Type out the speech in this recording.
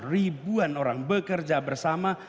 ribuan orang bekerja bersama